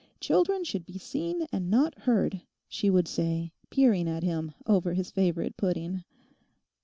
'Children should be seen and not heard,' she would say, peering at him over his favourite pudding.